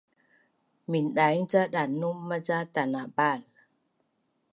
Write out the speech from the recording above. Mindaing ca danum maca tanabal